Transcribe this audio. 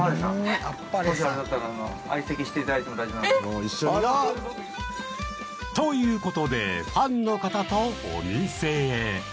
えっ？ということで、ファンの方とお店へ。